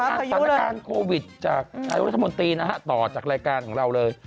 ติดตามรายการสถานการณ์โควิดจากไทยรัฐมนตรีต่อจากรายการของเราเลย